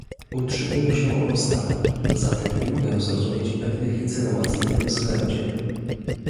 Utrzymuje się ono stale, zatem nie mogę zrozumieć pewnych insynuacji w tym względzie